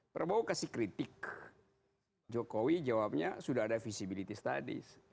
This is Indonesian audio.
prabowo kasih kritik jokowi jawabnya sudah ada visibility studies